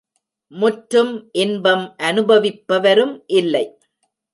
முற்றும் இன்பம் அநுபவிப்பரும் இல்லை.